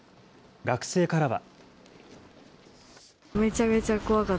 学生からは。